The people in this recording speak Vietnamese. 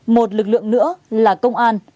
một lực lượng nữa là công an